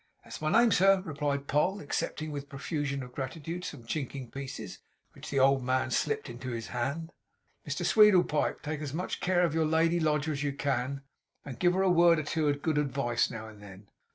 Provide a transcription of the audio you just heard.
'That is my name, sir,' replied Poll, accepting with a profusion of gratitude, some chinking pieces which the old man slipped into his hand. 'Mr Sweedlepipe, take as much care of your lady lodger as you can, and give her a word or two of good advice now and then.